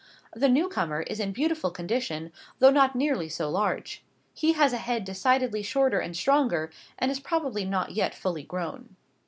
The new comer is in beautiful condition, though not nearly so large. He has a head decidedly shorter and stronger, and is probably not yet fully grown.